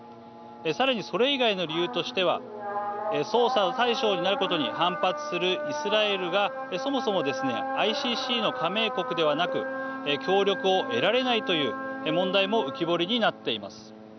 さらに、それ以外の理由としては捜査の対象になることに反発するイスラエルがそもそもですねＩＣＣの加盟国ではなく協力を得られないという問題も浮き彫りになっています。